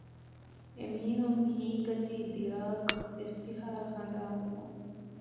އެމީހުން ހީނގަތީ ދިރާގް އިސްތިހާރު ހަނދާން ވުމުން